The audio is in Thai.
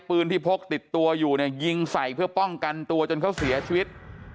ปืนที่พกติดตัวอยู่เนี่ยยิงใส่เพื่อป้องกันตัวจนเขาเสียชีวิต